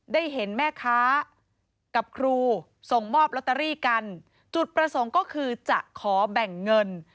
ได้เห็นแม่ค้ากับครูส่งมอบลอตเตอรี่กันจุดประสงค์ก็คือจะขอแบ่งเงิน